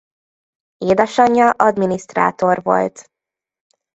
Édesanyja adminisztrátor volt.